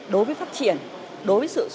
đối với phát triển đối với sự